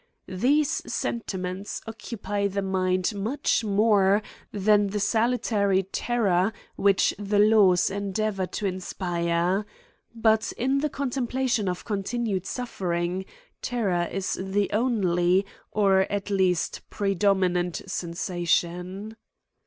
These sentiments occupy the mind much more than that salutary terror which the laws endeavour to inspire ; but, in the contemplation of continued suffering, terror is the only, or at least predominant sensation.